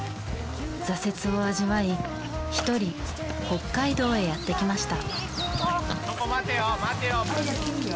挫折を味わいひとり北海道へやってきました。